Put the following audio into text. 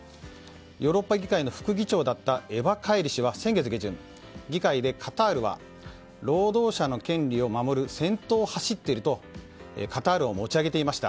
ヨーロッパ議会の副議長だったエバ・カイリ氏は先月下旬、議会でカタールは労働者の権利を守る先頭を走っているとカタールを持ち上げていました。